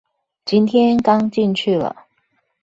今天剛進去了